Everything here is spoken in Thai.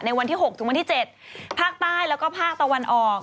วันที่๖ถึงวันที่๗ภาคใต้แล้วก็ภาคตะวันออก